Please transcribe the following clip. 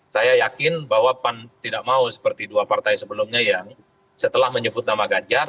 saya yakin bahwa pan tidak mau seperti dua partai sebelumnya yang setelah menyebut nama ganjar